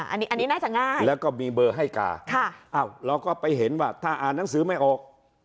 อันนี้น่าจะง่ายแล้วก็มีเบอร์ให้กาเราก็ไปเห็นว่าถ้าอ่านหนังสือไม่ออก